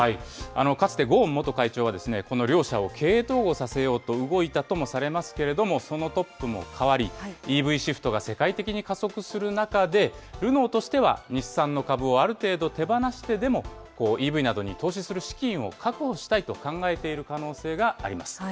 かつてゴーン元会長は、この両者を経営統合させようと動いたともされますけれども、そのトップも代わり、ＥＶシフトが世界的に加速する中で、ルノーとしては、日産の株をある程度、手放してでも、ＥＶなどに投資する資金を確保したいと考えている可能性があります。